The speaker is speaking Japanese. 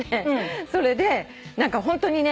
それで何かホントにね